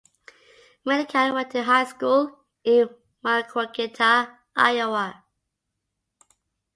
Millikan went to high school in Maquoketa, Iowa.